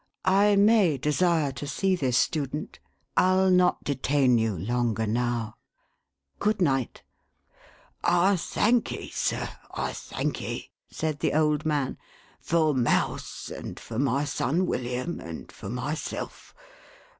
I may desire to see this student, I'll not detain you longer now. Good night !" "I thamVee, sir, I thamVee!" said the old man, "for Mouse, and for my son William, and for myself.